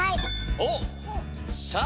おっさあ